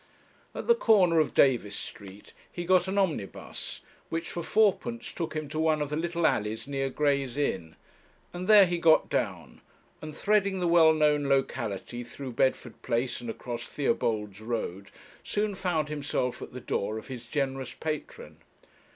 At the corner of Davies Street he got an omnibus, which for fourpence took him to one of the little alleys near Gray's Inn, and there he got down, and threading the well known locality, through Bedford Place and across Theobald's Road, soon found himself at the door of his generous patron.